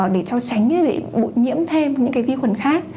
để cho tránh bụi nhiễm thêm những vi khuẩn khác